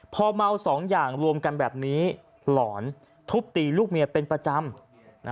พอเมาสองอย่างรวมกันแบบนี้หลอนทุบตีลูกเมียเป็นประจำ